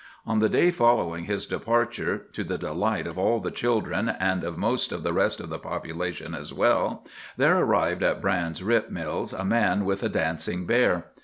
On the day following his departure, to the delight of all the children and of most of the rest of the population as well, there arrived at Brine's Rip Mills a man with a dancing bear.